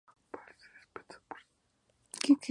Al regresar a su base, X-Force pronto se enfrentó a Exodus.